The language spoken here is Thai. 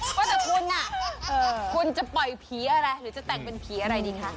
ว่าแต่คุณคุณจะปล่อยผีอะไรหรือจะแต่งเป็นผีอะไรดีคะ